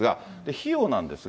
費用なんですが。